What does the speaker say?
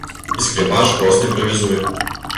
І скрыпач проста імправізуе.